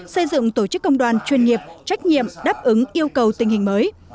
xây dựng tổ chức công đoàn chuyên nghiệp trách nhiệm đáp ứng yêu cầu tình hình mới